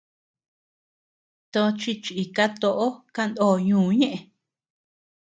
Tochi chika toʼo kanó ñuu ñeʼe.